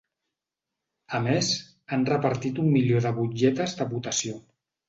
A més, han repartit un milió de butlletes de votació.